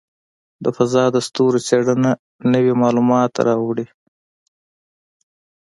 د فضاء د ستورو څېړنه نوې معلومات راوړي.